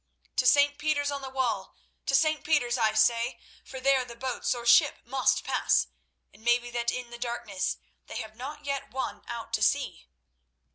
To St. Peter's on the Wall! To St. Peter's, I say, for there the boats or ship must pass, and maybe that in the darkness they have not yet won out to sea."